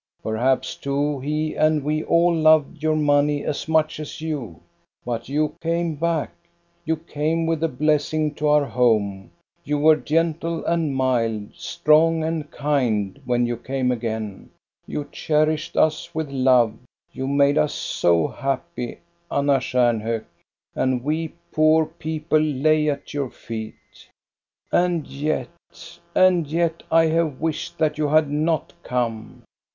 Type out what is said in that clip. Perhaps too he and we all loved your money as much as you. But you came back, you came with a blessing to our home; you were gentle and mild, strong and kind, when you came again. You cherished us with love ; you made us so happy, Anna Stjarnhok; and we poor people lay at your feet. 372 THE STORY OF GOSTA BERUNG ''And yet, and yet I have wished that you had not come.